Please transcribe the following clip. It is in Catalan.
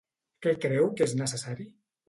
Què creu que és necessari?